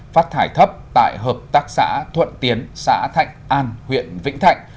phát thải thấp tại hợp tác xã thuận tiến xã thạnh an huyện vĩnh thạnh